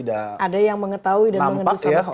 ada yang mengetahui dan mengendus sama sekali gitu ya